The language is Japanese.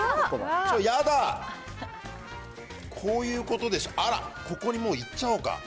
こういうことでしょ、あら、ここにもういっちゃおうか。